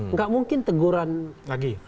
nggak mungkin teguran lagi